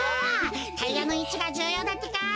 タイヤのいちがじゅうようだってか！